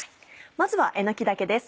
まずはえのき茸です。